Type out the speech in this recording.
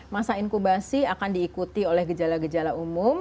masa inkubasi akan diikuti oleh gejala gejala umum